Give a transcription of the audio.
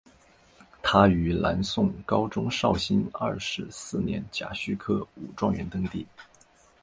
他于南宋高宗绍兴二十四年甲戌科武状元登第。